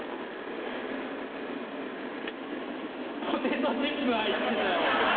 ポテトチップ入ってたよ！